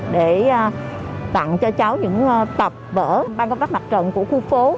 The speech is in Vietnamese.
để tặng cho cháu những tập vở ban công tác mặt trận của khu phố